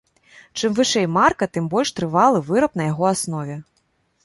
Чым вышэй марка, тым больш трывалы выраб на яго аснове.